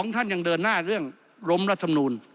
ท่านยังเดินหน้าเรื่องล้มรัฐมนูล